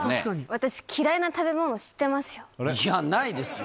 私、嫌いな食べ物知ってますいや、ないですよ。